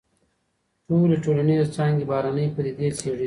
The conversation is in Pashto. ټولي ټولنيزي څانګي بهرنۍ پديدې څېړي.